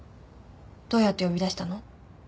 どうやって呼び出したの？